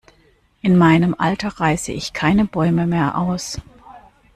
In meinem Alter reiße ich keine Bäume mehr aus.